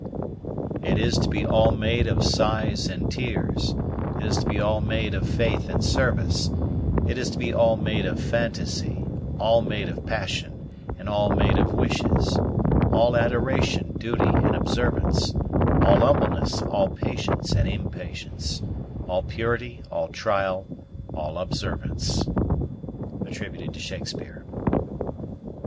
It is to be all made of sighs and tears; It is to be all made of faith and service; It is to be all made of phantasy; All made of passion, and all made of wishes; All adoration, duty, and observance; All humbleness, all patience, and impatience; All purity, all trial, all observance. SHAKESPEARE.